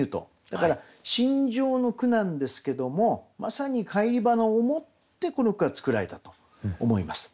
だから心情の句なんですけどもまさに返り花を思ってこの句は作られたと思います。